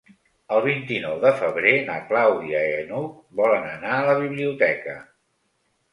El vint-i-nou de febrer na Clàudia i n'Hug volen anar a la biblioteca.